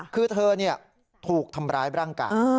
คือเธอถูกทำร้ายร่างกาย